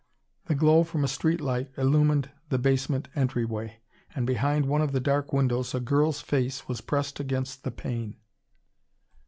The glow from a street light illumined the basement entryway, and behind one of the dark windows a girl's face was pressed against the pane.